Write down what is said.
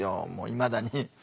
いまだに。